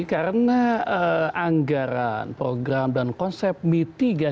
karena anggaran program dan konsep mitigasi